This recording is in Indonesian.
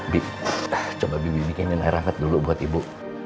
bi coba bibir bikin air angkat dulu buat ibu